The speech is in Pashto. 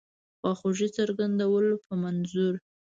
خواخوږی څرګندولو په منظور.